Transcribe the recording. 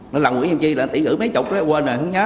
nó làm nguy hiểm chi là tỉ ngữ mấy chục quên rồi không nhớ